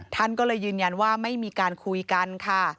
ท่านก็เลยยืนยันว่าไม่มีการคุยกันค่ะ